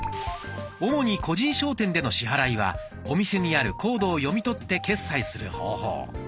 主に個人商店での支払いはお店にあるコードを読み取って決済する方法。